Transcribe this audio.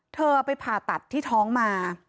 เธอไปผ่าตัดที่ท้องมา